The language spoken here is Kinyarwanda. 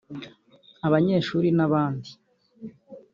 abanyeshuri n'abandi